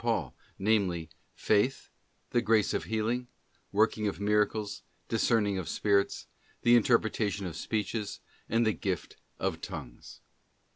Paul, namely 'faith, the grace of healing, working of miracles, discerning of spirits, the interpretation of speeches, and the gift of tongues.